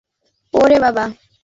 ওকে, বাবা।